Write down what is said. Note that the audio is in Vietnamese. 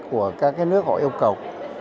của các nước họ yêu cầu